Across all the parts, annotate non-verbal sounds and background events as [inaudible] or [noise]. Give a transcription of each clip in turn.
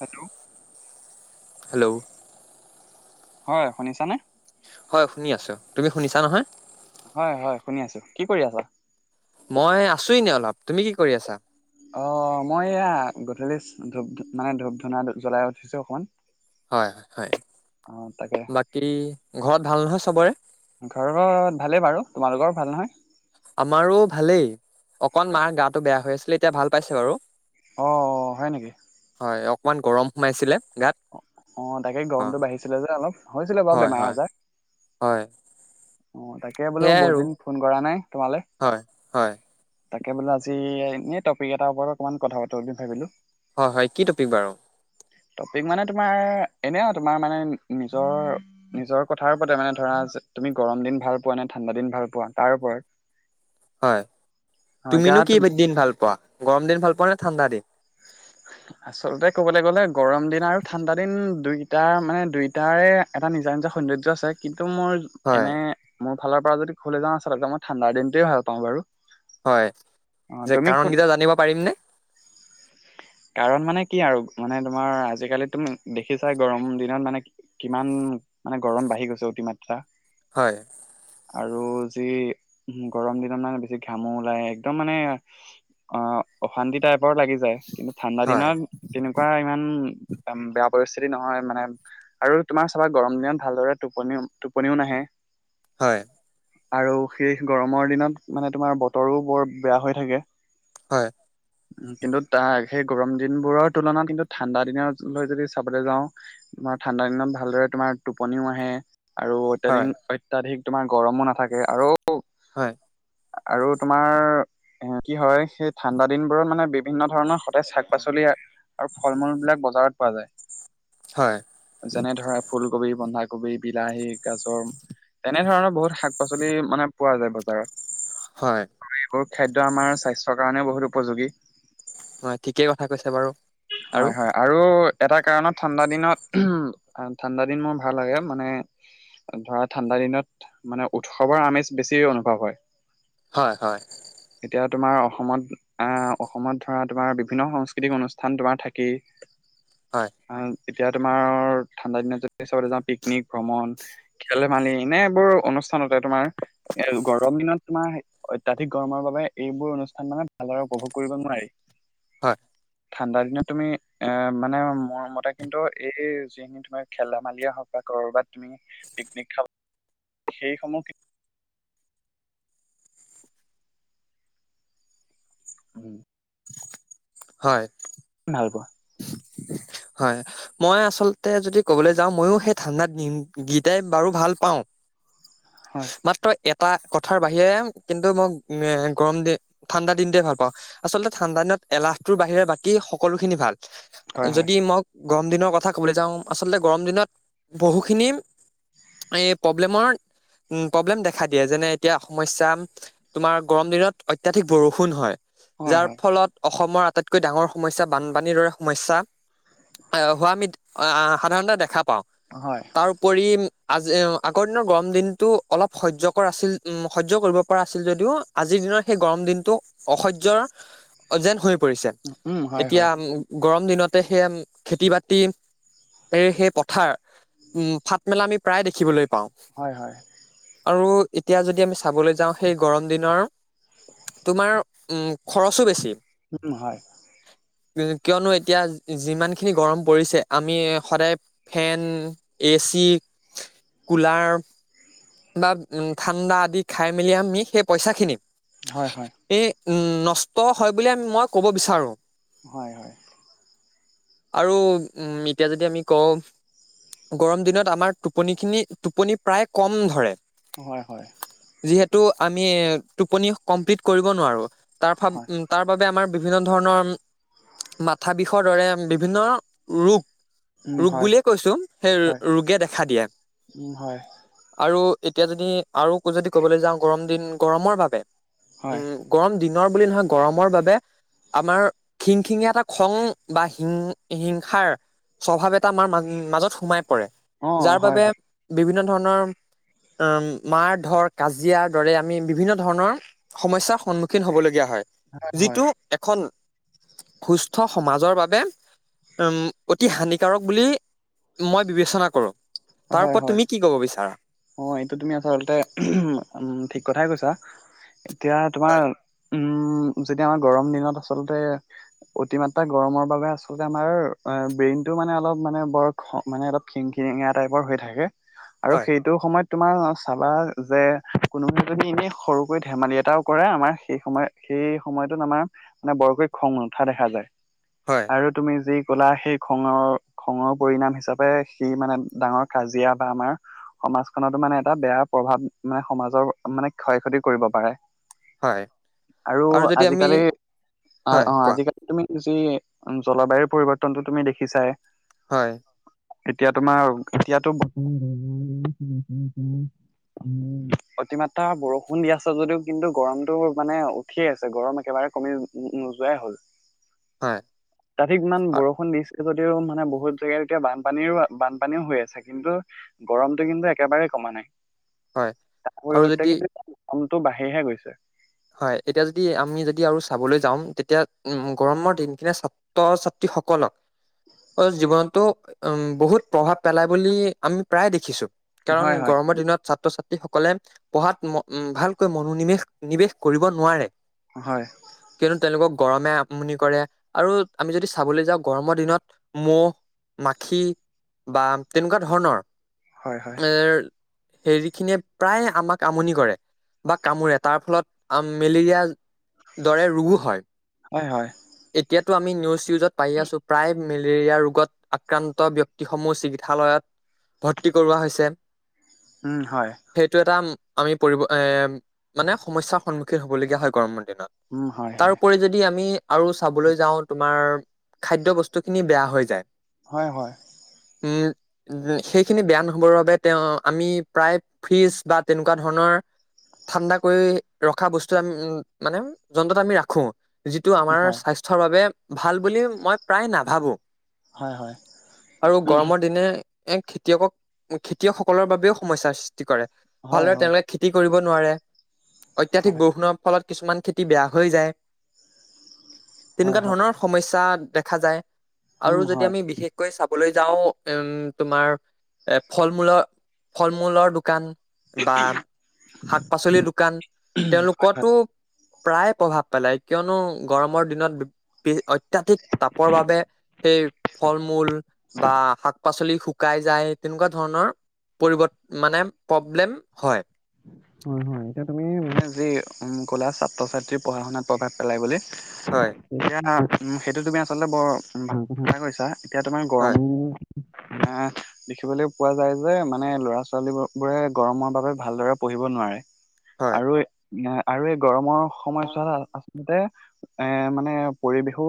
Hello. Hello. হয় শুনিছা নে? হয়, শুনি আছোঁ। তুমি শুনিছা নহয়? হয়-হয়, শুনি আছোঁ। কি কৰি আছা? মই আছোঁ এনে অলপ। তুমি কি কৰি আছা? অ! মই এয়া গধূলি ধূপ মানে ধূপ-ধূনা জ্বলাই উঠিছো অকমান। হয়-হয়-হয়। অ তাকে বাকী ঘৰত ভাল নহয় চবৰে? ঘৰত ভালেই বাৰু। তোমালোকৰ ভাল নহয়? আমাৰো ভালেই। অকন মাৰ গাটো বেয়া হৈ আছিলে এতিয়া ভাল পাইছে বাৰু। অঁ-অঁ! হয় নেকি? হয়, অকমান গৰম সোমাইছিলে গাত। অঁ-অঁ! তাকে অ গৰমটো বাঢ়িছিলে যে অলপ হৈছিলে বাৰু হয় হয় বেমাৰ-আজাৰ। হয়। অঁ! তাকে বোলো বহুত দিন ফোন কৰা নাই তোমালে। হয়-হয়। তাকে বোলো আজি এনেই টপিক এটা ওপৰত অকণমান কথা পাতো বুলি ভাবিলোঁ। হয়-হয়। কি টপিক বাৰু? টপিক মানে তোমাৰ এনেই আৰু তোমাৰ মানে নিজৰ নিজৰ কথা ওপৰতে মানে ধৰা যে তুমি গৰম দিন ভাল পোৱা নে, ঠাণ্ডা দিন ভাল পোৱা তাৰ ওপৰত। [unintelligible] হয়। অ এতিয়া তুমিনো তুমি কি দিন ভাল পোৱা? গৰম দিন ভাল পোৱা নে ঠাণ্ডা দিন? আচলতে ক'বলৈ গ'লে গৰম দিন আৰু ঠাণ্ডা দিন দুইটাৰ মানে দুইটাৰে এটা নিজা-নিজা সৌন্দৰ্য আছে। কিন্তু মোৰ হয় এনেই মোৰ ফালৰ পৰা যদি ক'বলৈ যাওঁ আচলতে মই ঠাণ্ডা দিনটোৱেই ভাল পাওঁ বাৰু। হয়, অ' যে তুমি কোন কাৰণকেইটা জানিব পাৰিম নে? কাৰণ মানে কি আৰু মানে তোমাৰ আজিকালি তুমি দেখিছাই গৰম দিনত মানে কিমান মানে গৰম বাঢ়ি গৈছে অতিমাত্ৰা। হয়। আৰু যি গৰম দিনত মানে বেছি ঘামো ওলায়। একদম মানে অঁ! অশান্তি টাইপৰ লাগি যায়। কিন্তু ঠাণ্ডা হয় দিনত তেনেকুৱা ইমান বেয়া পৰিস্থিতি নহয় মানে। আৰু তোমাৰ চাবা গৰম দিনত ভালদৰে টোপনিও-টোপনিও নাহে। হয়। আৰু সেই গৰমৰ দিনত মানে তোমাৰ বতৰো বৰ বেয়া হৈ থাকে। হয়। কিন্তু তাৰ সেই গৰম দিনবোৰৰ তুলনাত কিন্তু ঠাণ্ডা দিনবোৰ যদি চাবলৈ যাওঁ তোমাৰ ঠাণ্ডা দিনত ভালদৰে তোমাৰ টোপনিও আহে। আৰু হয় অত্যাদিন অত্যাধিক তোমাৰ গৰমো নাথাকে আৰু আৰু তোমাৰ কি হয় সেই ঠাণ্ডা দিনবোৰৰ মানে বি বিভিন্ন ধৰণৰ সতেজ শাক-পাচলি আৰু ফল-মূল বিলাক বজাৰত পোৱা হয় হয় যায়। যেনে ধৰা ফুলকবি, বন্ধাকবি, বিলাহী, গাজৰ। তেনে ধৰণৰ বহুত শাক-পাচলি মানে পোৱা যায় বজাৰত। হয়। আৰু এইবোৰ খাদ্য আমাৰ স্বাস্থ্যৰ কাৰণেও বহুত উপযোগী। হয়, ঠিকেই কথা কৈছে বাৰু। হয়-হয়। আৰু এটা কাৰণত ঠাণ্ডা দিনত [unintelligible] ঠাণ্ডা দিন মোৰ ভাল লাগে মানে ধৰা ঠাণ্ডা দিনত মানে উৎসৱৰ আমেজ বেছি অনুভৱ হয়। হয় হয়। এতিয়া তোমাৰ অসমত অহ অসমত। ধৰা তোমাৰ বিভিন্ন সাংস্কৃতিক অনুষ্ঠান তোমাৰ থাকেই হয় আহ। এতিয়া তোমাৰৰ ঠাণ্ডা দিনত যদি চাবলে যাওঁ পিকনিক ভ্ৰমণ। খেল ধমালি এনেবোৰ অনুষ্ঠানতে তোমাৰ এ গৰম দিনত তোমাৰ। অত্যাধিক গৰমৰ বাবে এইবোৰ অনুষ্ঠান মানে ভালদৰে উপভোগ কৰিব নোৱাৰি। হয়। ঠাণ্ডা দিনত তুমি এ মানে মোৰ মতে কিন্তু এই যিখিনি। তোমাৰ খেল- ধেমালি হওঁক বা কৰবাত তুমি পিকনিক খাব সেইসমূহ। উম। হয়। ভাল পোৱা। হয়। মই আচলতে যদি কবলৈ যাওঁ ময়ো সেই ঠাণ্ডাত দিন কেইটাই বাৰু ভাল পাওঁ। হয়। মাত্ৰ এটা কথাৰ বাহিৰে কিন্তু মই মে গৰম দিন ঠাণ্ডা দিনটোৱে ভাল পাওঁ। আচলতে ঠাণ্ডা দিনত এলাহটোৰ বাহিৰে বাকী সকলোখিনি ভাল। হয় হয় যদি মই গৰম দিনৰ কথা ক'বলৈ যাওঁ আচলতে গৰম দিনত বহুখিনি। এই প্ৰব্লেমৰ। উম প্ৰব্লেম দেখা দিয়ে যেনে এতিয়া সমস্যা তোমাৰ গৰম দিনত অত্যাধিক বৰষুণ হয়। হয় যাৰ ফলত অসমৰ আটাইতকৈ ডাঙৰ সমস্যা বানপানীৰ দৰে। সমস্যা আহ হোৱা আমি সাধাৰণতে দেখা পাওঁ। হয়। তাৰ ওপৰি আজি আগৰ দিনৰ গৰম দিনটো অলপ সহ্য কৰ আছিল সহ্য কৰিব। কৰ আছিল যদিও আজিৰ দিনৰ সেই গৰম দিনটো অসহ্যৰ যেন হৈ পৰিছে। উম হয় এতিয়া হয় গৰম দিনতে সেয়াম খেতি বাতি। এই সেই পথাৰ উম ফাট মেলা আমি প্ৰায় দেখিবলৈ পাওঁ। হয় হয়। আৰু এতিয়া যদি আমি চাবলৈ যাওঁ সেই গৰম দিনৰ তোমাৰ। উম খৰচো বেছি। উম হয়। কি কিয়নো এতিয়া যিমানখিনি গৰম পৰিছে আমি সদায়। Fan A C cooler. বা ঠাণ্ডা আদি খাই মেলি আমি সেই পইচাখিনি। হয় হয়। এই নষ্ট হয় বুলি আমি মই ক'ব বিচাৰোঁ। হয় হয়। আৰু উম এতিয়া যদি আমি কওঁ। গৰম দিনত আমাৰ টোপনি খিনি টোপনি প্ৰায় কম ধৰে। অ হয় হয়। যিহেতু আমি এ টোপনি কমপ্লিট কৰিব নোৱাৰো তাৰ ফ উম। তাৰ বাবে আমাৰ বিভিন্ন ধৰণৰ‌। মাথা বিষৰ দৰে বিভিন্ন ৰোগ। উম ৰোগ হয় বুলিয়ে কৈছো সেই ৰো হয় ৰোগে দেখা দিয়ে। উম হয় আৰু এতিয়া যদি আৰু যদি ক'বলৈ যাওঁ, গৰম দিন গৰমৰ বাবে। হয়। উম গৰম দিনৰ বুলি নহয়, গৰমৰ বাবে আমাৰ খিংখিঙীয়া এটা খং বা হিং হিংসাৰ স্বভাৱ এটা আমাৰ মাজত সোমাই পৰে। অ যাৰ হয় বাবে হয় বিভিন্ন ধৰণৰ মাৰ-ধৰ, কাজিয়াৰ দৰে আমি বিভিন্ন ধৰণৰ সমস্যাৰ সন্মুখীন হ'ব লগীয়া হয়, হয় যিটো এখন সুস্থ সমাজৰ বাবে উম্, অতি হানিকাৰক বুলি মই বিবেচনা কৰোঁ। হয় তাৰ হয় ওপৰত হয় তুমি কি ক'ব বিচাৰা? অ', এইটো তুমি আচলতে ঠিক কথাই কৈছাঁ, এতিয়া তোমাৰ হয়, উম্, যেতিয়া আমাৰ গৰম দিনত আচলতে অতিমাত্ৰা গৰমৰ বাবে আচলতে আমাৰ ব্ৰেইনটো মানে অলপ মানে বৰ খং মানে অলপ খিং খিঙিয়া টাইপৰ হৈ থাকে আৰু হয়, সেই সময়ত তোমাৰ চাবা যে, কোনোবা যদি এনেই সৰুকৈ ধেমালি এটাও কৰে। আমাৰ সেই সময়ত সেই সময়টোত আমাৰ মানে বৰকৈ খং নুঠা দেখা যায়। হয়। আৰু তুমি যি কলা, সেই খঙৰ খঙৰ পৰিনাম হিচাপে, সি মানে ডাঙৰ কাজিয়া বা আমাৰ সমাজখনত মানে এটা বেয়া প্ৰভাৱ, মানে সমাজৰ মানে ক্ষয় ক্ষতি কৰিব পাৰে। হয় আৰু যদি আমি আজিকালি হয় অ', কোৱা আজিকালি তুমি যি জলবায়ুৰ পৰিৱৰ্তনটো তুমি দেখিছাই। হয়। তেতিয়া তোমাৰ, তেতিয়াতো অতিমাত্ৰা বৰষুণ দি আছে, যদিও কিন্তু গৰমটো মানে উঠিয়েই আছে, গৰম একেবাৰে কমি নোযোৱাই হ'ল। হয়। ৰাতি যিমান আ- বৰষুণ দিছিল যদিও মানে, বহুত জেগাত এতিয়া বানপানীৰো, বানপানীও হৈ আছে, কিন্তু গৰম টো কিন্তু একেবাৰেই কমা নাই, হয় তাৰ আৰু পৰিৱৰ্তে যদি কিন্তু গৰমটো বাঢ়িহে গৈছে। হয়, এতিয়া যদি আমি যদি আৰু চাবলৈ যাওঁ। তেতিয়া উম্, গৰমৰ দিনকেইটা চা ছাত্ৰ-ছাত্ৰীসকলক অ', জীৱনতো উম্ বহুত প্ৰভাৱ পেলাই বুলি আমি প্ৰায় দেখিছোঁ। কাৰণ, হয় হয় গৰমৰ দিনত ছাত্ৰ-ছাত্ৰী সকলে পঢ়াত ম ভালকৈ মনোনিৱেশ, নিৱেশ কৰিব নোৱাৰে। হয়। কিয়নো তেওঁলোকক গৰমে আমনি কৰে, আৰু আমি যদি চাবলৈ যাওঁ গৰমৰ দিনত ম'হ-মাখি বা তেনেকুৱা ধৰণৰ হয় হয় এ' হেৰি খিনিয়ে প্ৰায় আমাক আমনি কৰে বা কামোৰে, তাৰ ফলত মেলেৰিয়াৰ দৰে ৰোগো হয়। হয়, হয়। এতিয়াটো আমি নিউজ-চিউজত পাইয়ে আছো, প্ৰায় মেলেৰিয়া ৰোগত আক্ৰান্ত ব্যক্তিসমূহ চিকিৎসালয়ত ভৰ্তি কৰোৱা হৈছে। উম হয়। সেইটো এটা আমি পৰিব, এ মানে সমস্যাৰ সন্মুখীন হ'ব লগীয়া হয় গৰমৰ দিনত। উম হয় তাৰ হয় উপৰি যদি আমি আৰু চাবলৈ যাওঁ তোমাৰ খাদ্য বস্তু খিনি বেয়া হৈ যায়। হয়, হয়। উম। যে সেইখিনি বেয়া নহ'বৰ বাবে তেওঁ আমি প্ৰায় ফিজ বা তেনেকুৱা ধৰণৰ ঠাণ্ডা কৰি ৰখা বস্তু আমি উ মানে যন্ত্ৰত আমি ৰাখো, যিটো উম আমাৰ হয় স্বাস্থ্য স্থ্যৰ বাবে ভাল বুলি মই প্ৰায় নাভাবোঁ। হয় হয় আৰু গৰমৰ দিনে এক খেতিয়কক, খেতিয়কসকলৰ বাবেও সমস্যাৰ সৃষ্টি কৰে। হয় হয় ভালদৰে তেওঁলোকে খেতি কৰিব নোৱাৰে। অত্যাধিক হয় বৰষুণৰ ফলত কিছুমান খেতি বেয়া হৈ যায়। হয় তেনেকুৱা হয় ধৰণৰ সমস্যা দেখা যায় উম আৰু যদি হয় আমি বিশেষ কৈ চাবলৈ যাওঁ, উম তোমাৰ এ ফল-মূলৰ ফল-মূলৰ দোকান বা শাক-পাচলিৰ দোকান হয় তেওঁলোকৰটো প্ৰায়ে প্ৰভাৱ পেলায়, কিয়নো গৰমৰ দিনত বি, বি অত ত্যাধিক তাপৰ বাবে, সেই ফল-মূল বা শাক-পাচলি শু কাই যায়, তেনেকুৱা ধৰণৰ পৰিবত মানে প্ৰব্লেম হয়। হয়, হয়। এতিয়া তুমি মানে যি কলা ছাত্ৰ-ছাত্ৰীৰ পঢ়া শুনাত প্ৰভাৱ পেলাই বুলি, হয় এতিয়া সেইটো তুমি আচলতে বৰ ভাল কথা কৈছা এতিয়া তোমাৰ হয় গৰমো এ, দেখিবলৈ পোৱা যায় যে মানে ল'ৰা ছোৱালী বোৰে গৰমৰ বাবে ভালদৰে পঢ়িব নোৱাৰে, হয় আৰু আৰু এই গৰমৰ সময়ছোৱাত আচলতে এ, মানে পৰিৱেশো,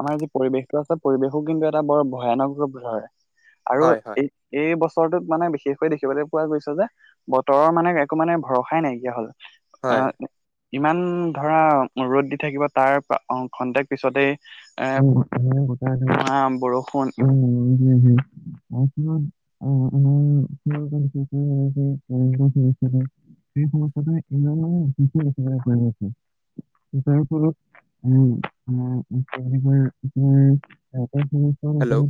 আমাৰ যি পৰিৱেশটো আছে পৰিৱেশো কিন্তু এটা বৰ ভয়ানক হয়', আৰু হয় হয় এই এই বছৰটোত মানে বিশেষকৈ দেখিবলৈ পোৱা গৈছে যে বতৰৰ মানে একো মানে ভৰসাই নাইকিয়া হ'ল, হয় অ'। ইমান ধৰা ৰ'দ দি থাকিব তাৰ খন্তেক পিছতেই এ, [unintelligible] বৰষুণ [unintelligible] [unintelligible] [unintelligible] [unintelligible] [unintelligible] [unintelligible] ল'ৰা হেল্ল'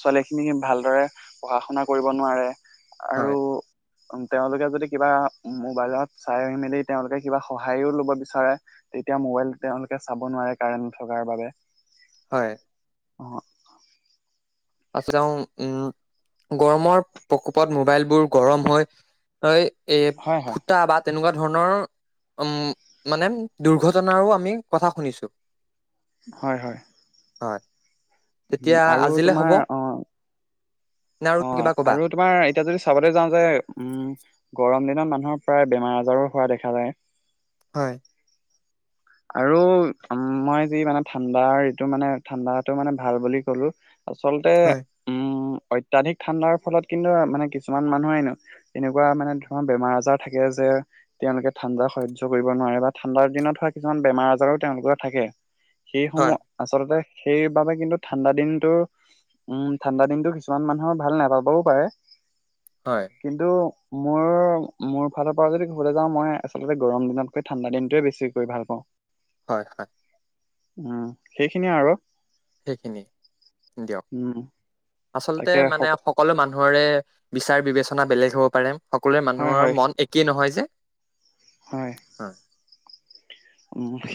ছোৱালী খিনি ভালদৰে পঢ়া শুনা কৰিব নোৱাৰে। আৰু হয় তেওঁলোকে যদি কিবা মোবাইলত চাই মেলি তেওঁলোকে কিবা সহায়ো ল'ব বিচাৰে তেতিয়া মোবাইল তেওঁলোকে চাব নোৱাৰে কাৰেণ্ট নথকাৰ বাবে হয়। অ'। আচলতে, উম', গৰমৰ প্ৰকোপত মোবাইলবোৰ গৰম হৈ হৈ, এ, হয় হয় ফুটা বা তেনেকুৱা ধৰণৰ উম', মানে দুৰ্ঘটনাৰো আমি কথা শুনিছো। হয়, হয়। হয়', উম, তেতিয়া আৰু আজিলে হ'ব। তোমাৰ অ', নে আৰু অ', কিবা ক'বা? আৰু তোমাৰ এতিয়া যদি চাবলৈ যাওঁ যে উম', গৰম দিনত মানুহৰ প্ৰায় বেমাৰ আজাৰো হোৱা দেখা যায়। হয়'। আৰু মই যি মানে ঠাণ্ডাৰ এইটো মানে ঠাণ্ডাটো মানে ভাল বুলি ক'লো। আচলতে হয়। উম অত্যাধিক ঠাণ্ডাৰ ফলত কিন্তু মানে কিছুমান মানুহ হেনো। এনেকুৱা মানে [unintelligible] বেমাৰ আজাৰ থাকে যে। তেওঁলোকে ঠাণ্ডা সহ্য কৰিব নোৱাৰে বা ঠাণ্ডাৰ দিনত হয় কিছুমান বেমাৰ আজাৰো তেওঁলোকৰ থাকে, হয়, সেইসমূহ আচলতে। সেইবাবে কিন্তু ঠাণ্ডা দিনটো। উম' ঠাণ্ডা দিনটো কিছুমান মানুহৰ ভাল নাপাবও পাৰে। হয়। কিন্তু মোৰ, মোৰ ফালৰ পৰা যদি ক'বলৈ যাওঁ মই আচলতে গৰম দিনত ঠাণ্ডা দিনটোৱে বেছিকৈ ভাল পাওঁ। হয়', হয়। উম', সেইখিনিয়ে আৰু। সেইখিনি, দিয়ক, উম আচলতে মানে সক সকলো মানুহৰে বিচাৰ বিবেচনা বেলেগ হ'ব পাৰে, সকলোৰে হয় মানুহৰ হয় মন একেই নহয় যে। হয়। হয়,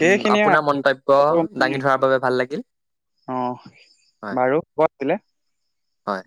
উম আপোনাৰ আৰু। মন্তব্য আকৌ, উম, দাঙি ধৰাৰ বাবে ভাল লাগিল। অ' হয়, বাৰু। [unintelligible] হয়।